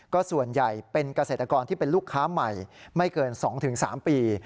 ก็ส่วนใหญ่เป็นเกษตรกรที่เป็นลูกค้าใหม่ไม่เกิน๒๓ปี